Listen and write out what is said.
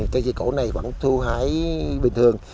cây trà cổ này vẫn thu hái bình thường